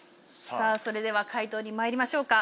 それでは解答にまいりましょうか。